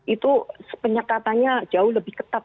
itu penyekatannya jauh lebih ketat